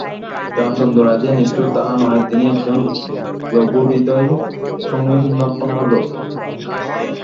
রামচন্দ্র রায় যে নিষ্ঠুর তাহা নহে, তিনি একজন লঘুহৃদয়, সঙ্কীর্ণপ্রাণ লােক।